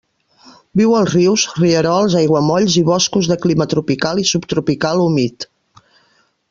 Viu als rius, rierols, aiguamolls i boscos de clima tropical i subtropical humit.